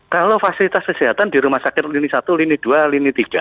kalau fasilitas kesehatan di rumah sakit lini satu lini dua lini tiga